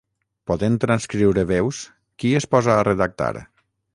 Podent transcriure veus, qui es posa a redactar?